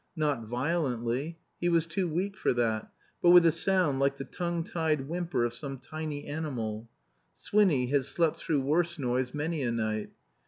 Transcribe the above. Not violently; he was too weak for that, but with a sound like the tongue tied whimper of some tiny animal. Swinny had slept through worse noise many a night.